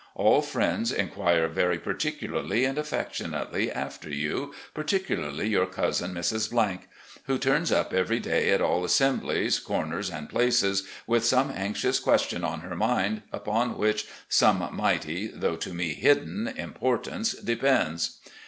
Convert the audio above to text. All friends inquire very particu larly and affectionately after you, particularly yotir cousin, Mrs. , who turns up ever day at all assemblies, cor ners, and places, with some anxious question on her mind upon which some mighty — ^though to me hidden — ^impor tance depends.